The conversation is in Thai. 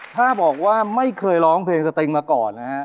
ถ้าบอกว่าไม่เคยร้องเพลงสติงมาก่อนนะฮะ